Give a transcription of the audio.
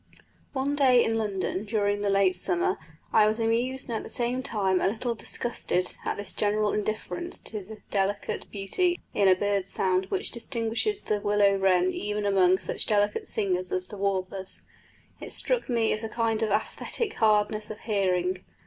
One day in London during the late summer I was amused and at the same time a little disgusted at this general indifference to the delicate beauty in a bird sound which distinguishes the willow wren even among such delicate singers as the warblers: it struck me as a kind of æsthetic hardness of hearing.